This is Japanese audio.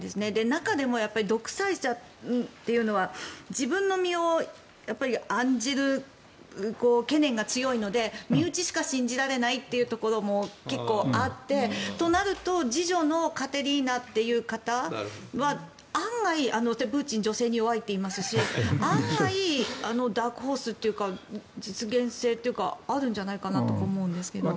中でも独裁者というのは自分の身を案じる懸念が強いので身内しか信じられないというところも結構あってとなると次女のカテリーナという方は案外、プーチン女性に弱いといいますし案外、ダークホースというか実現性というかあるんじゃないかなと思うんですけど。